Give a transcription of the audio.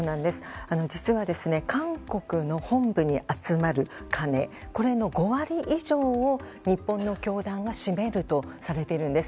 実は韓国の本部に集まる金これの５割以上を日本の教団は占めるとされているんです。